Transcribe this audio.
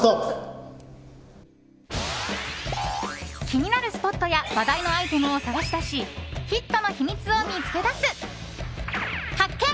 気になるスポットや話題のアイテムを探し出しヒットの秘密を見つけ出す発見！